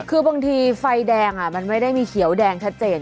คือบางทีไฟแดงมันไม่ได้มีเขียวแดงชัดเจน